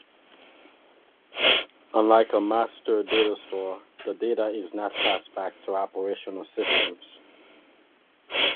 Unlike a master data store, the data is not passed back to operational systems.